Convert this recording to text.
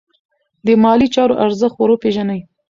د مالي چارو ارزښت ور وپیژنئ.